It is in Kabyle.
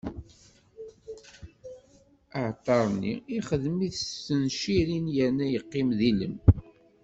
Aɛalṭar-nni, ixdem-it s tencirin, yerna yeqqim d ilem.